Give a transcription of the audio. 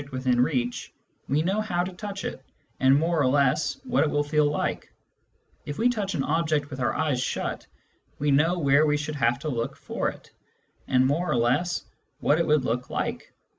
In later life, when we see an object within reach, we know how to touch it, and more or less what it will feel like ; if we touch an object with our eyes shut, we know where we should have to look for it, and more or less what it would look like.